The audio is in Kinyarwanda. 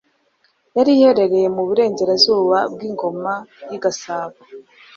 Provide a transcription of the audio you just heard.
yari iherereye mu burengarazuba bw'Ingoma y'i Gasabo,